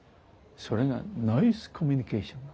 それがナイスコミュニケーション。